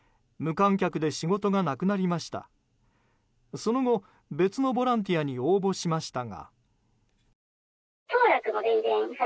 その後、別のボランティアに応募しましたが。